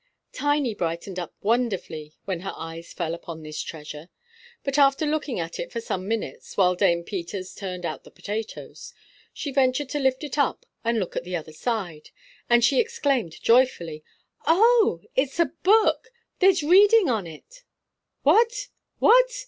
Tiny brightened up wonderfully when her eyes fell upon this treasure; but after looking at it for some minutes, while Dame Peters turned out the potatoes, she ventured to lift it up and look at the other side, and she exclaimed joyfully: "Oh, it's a book! There's reading on it!" "What, what!"